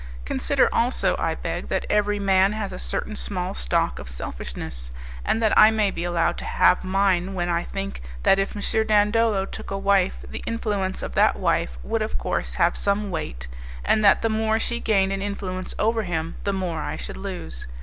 Consider also, I beg, that every man has a certain small stock of selfishness, and that I may be allowed to have mine when I think that if M. Dandolo took a wife the influence of that wife would of course have some weight, and that the more she gained in influence over him the more I should lose.